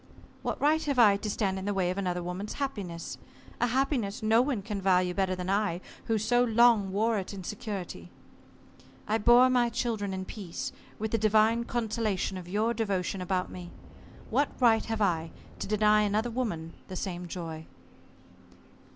What right have I to stand in the way of another woman's happiness? A happiness no one can value better than I, who so long wore it in security. I bore my children in peace, with the divine consolation of your devotion about me. What right have I to deny another woman the same joy?"